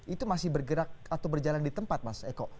itu masih bergerak atau berjalan di tempat mas eko